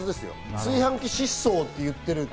炊飯器失踪と言ってる。